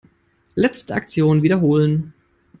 Letzte Aktion wiederholen.